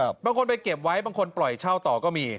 บางคนไปเก็บไว้บางคนปล่อยเช่าต่อก็มี